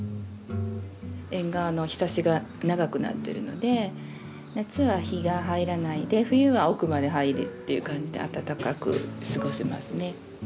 縁側のひさしが長くなってるので夏は日が入らないで冬は奥まで入るっていう感じで暖かく過ごせますね。